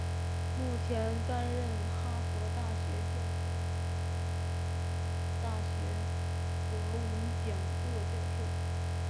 目前担任哈佛大学教授和香港中文大学博文讲座教授。